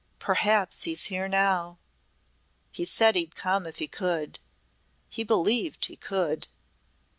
Perhaps he's here now! He said he'd come if he could. He believed he could."